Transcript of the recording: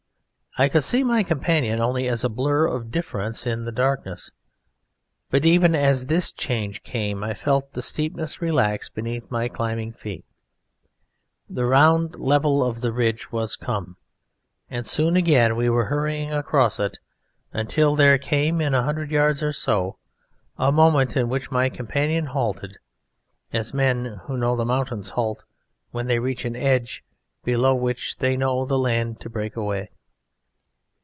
I could see my companion only as a blur of difference in the darkness, but even as this change came I felt the steepness relax beneath my climbing feet, the round level of the ridge was come, and soon again we were hurrying across it until there came, in a hundred yards or so, a moment in which my companion halted, as men who know the mountains halt when they reach an edge below which they know the land to break away.